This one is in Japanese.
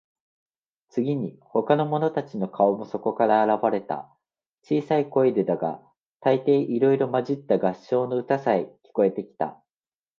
次に、ほかの者たちの顔もそこから現われた。小さい声でだが、高低いろいろまじった合唱の歌さえ、聞こえてきた。